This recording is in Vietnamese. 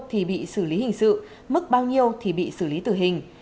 thì bị xử lý hình sự mức bao nhiêu thì bị xử lý tử hình